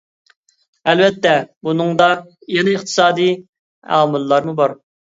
ئەلۋەتتە بۇنىڭدا يەنە ئىقتىسادى ئامىللارمۇ بار.